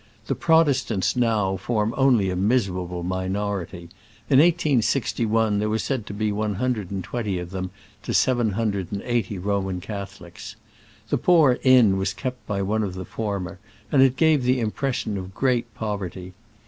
The Protestants now formx)nly a miserable minority : in 1861 there were said to be one hundred and twenty of them to seven hundred and eighty Roman Catholics. The poor inn was kept by one of the former, and it gave the impression of great poverty.